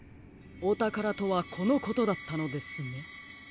おたからとはこのことだったのですね。